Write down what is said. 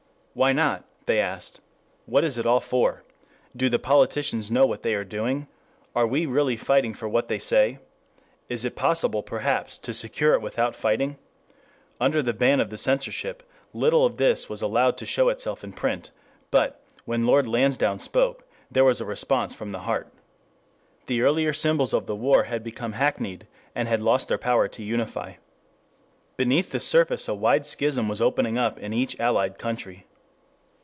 Why not, they asked? What is it all for? Do the politicians know what they are doing? Are we really fighting for what they say? Is it possible, perhaps, to secure it without fighting? Under the ban of the censorship, little of this was allowed to show itself in print, but, when Lord Lansdowne spoke, there was a response from the heart. The earlier symbols of the war had become hackneyed, and had lost their power to unify. Beneath the surface a wide schism was opening up in each Allied country.